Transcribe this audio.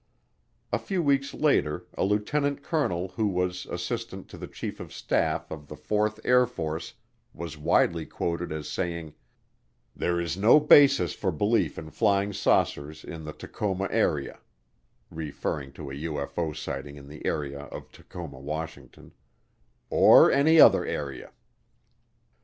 A few weeks later a lieutenant colonel who was Assistant to the Chief of Staff of the Fourth Air Force was widely quoted as saying, "There is no basis for belief in flying saucers in the Tacoma area [referring to a UFO sighting in the area of Tacoma, Washington], or any other area."